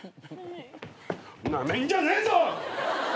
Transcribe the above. なめんじゃねえぞ！